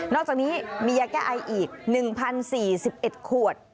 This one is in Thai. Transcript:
อกจากนี้มียาแก้ไออีก๑๐๔๑ขวด